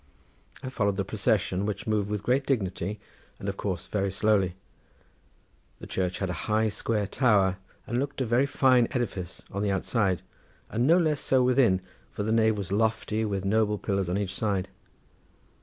I followed the procession, which moved with great dignity and of course very slowly. The church had a high square tower and looked a very fine edifice on the outside and no less so within, for the nave was lofty with noble pillars on each side.